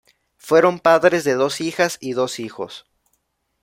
Fueron padres de dos hijas y dos hijos.